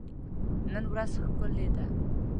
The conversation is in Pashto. نن ورځ ښکلي ده.